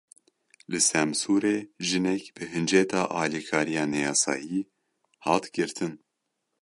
Li Semsûrê jinek bi hinceta alîkariya neyasayî hat girtin.